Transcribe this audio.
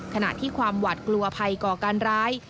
ขณะที่ความหวัดกลัวภัยก่อการร้าย